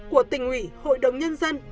của tỉnh ủy hội đồng nhân dân